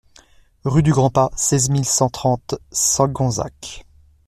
Rue du Grand Pas, seize mille cent trente Segonzac